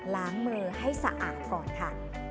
ล้างมือให้สะอาดก่อนค่ะ